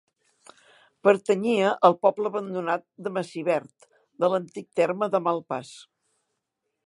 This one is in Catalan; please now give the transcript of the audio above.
Pertanyia al poble abandonat de Massivert, de l'antic terme de Malpàs.